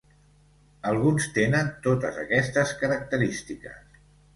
Alguns tenen totes aquestes característiques.